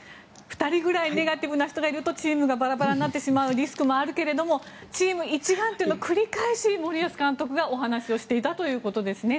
２人ぐらいネガティブな人がいるとチームがバラバラになるリスクがあるけれどもチーム一丸というのを繰り返し森保監督がお話をしていたということですね。